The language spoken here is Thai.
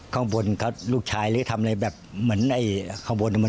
ข้างบนครับลูกชายนี่ทำอะไรแบบมันในข้างบนนะ